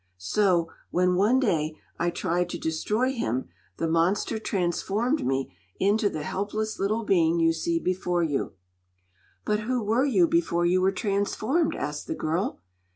So, when one day I tried to destroy him, the monster transformed me into the helpless little being you see before you." "But who were you before you were transformed?" asked the girl.